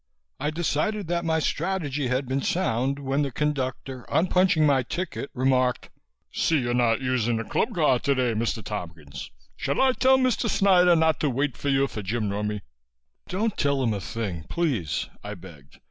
I decided that my strategy had been sound when the conductor, on punching my ticket, remarked: "See you're not using the Club Car today, Mr. Tompkins. Shall I tell Mr. Snyder not to wait for you for gin rummy?" "Don't tell him a thing, please," I begged.